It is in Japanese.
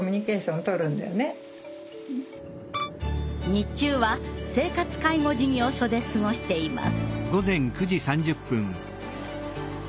日中は生活介護事業所で過ごしています。